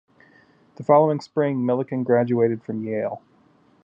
The following spring, Milliken graduated from Yale.